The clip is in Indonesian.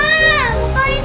gak mau ke mana